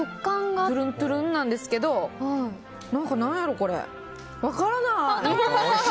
トゥルントゥルンなんですけど何やろこれ。分からない。